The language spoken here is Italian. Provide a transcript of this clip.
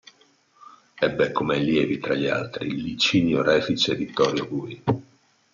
Ebbe come allievi tra gli altri Licinio Refice e Vittorio Gui.